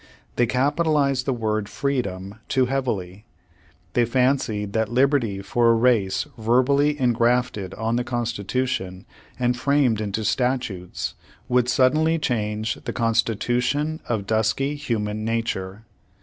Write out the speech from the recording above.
They capitalized the word freedom too heavily. They fancied that liberty for a race verbally engrafted on the Constitution and framed into statutes, v/ould suddenly change the constitu tion of dusky human nature.